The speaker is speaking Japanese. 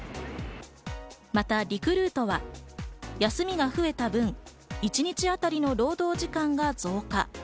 また、リクルートは休みが増えた分、一日当たりの労働時間が増加。